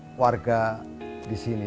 bagi warga warga yang di sini